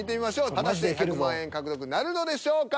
果たして１００万円獲得なるのでしょうか？